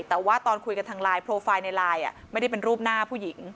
แต่ว่าตอนคุยกันทางไลน์โปรไฟล์ในไลน์ไม่ได้เป็นรูปหน้าผู้หญิง